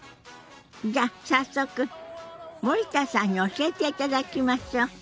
じゃあ早速森田さんに教えていただきましょう。